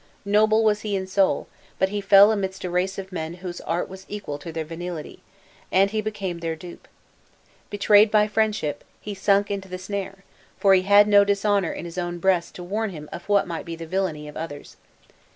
Noble was he in soul; but he fell amidst a race of men whose art was equal to their venality, and he became their dupe. Betrayed by friendship, he sunk into the snare; for he had no dishonor in his own breast to warn him of what might be the villainy of others.